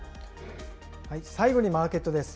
最後にマーケットです。